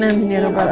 amin ya allah